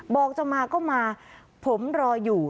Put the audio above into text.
บอกจะมาก็มาผมรออยู่